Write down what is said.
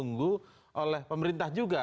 yang sebenarnya ditunggu tunggu oleh pemerintah juga